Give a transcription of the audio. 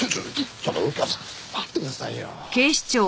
ちょっと右京さん待ってくださいよ。